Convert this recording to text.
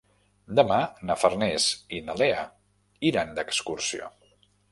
Demà na Farners i na Lea iran d'excursió.